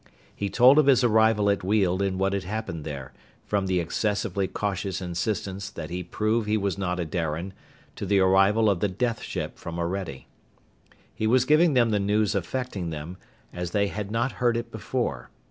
He told of his arrival at Weald and what had happened there, from the excessively cautious insistence that he prove he was not a Darian, to the arrival of the death ship from Orede. He was giving them the news affecting them, as they had not heard it before.